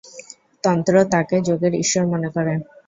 তন্ত্র তাঁকে "যোগের ঈশ্বর" মনে করে।